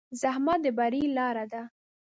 زحمت د بری لاره ده.